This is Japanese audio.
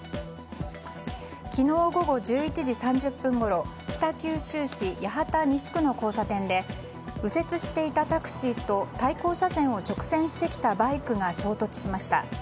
昨日午後１１時３０分ごろ北九州市八幡西区の交差点で右折していたタクシーと対向車線を直進してきたバイクが衝突しました。